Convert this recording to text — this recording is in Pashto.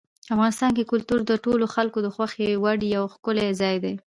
افغانستان کې کلتور د ټولو خلکو د خوښې وړ یو ښکلی ځای دی.